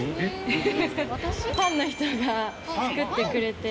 ファンの人が作ってくれて。